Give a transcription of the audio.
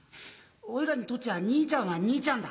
おいらにとっちゃ兄ちゃんは兄ちゃんだ。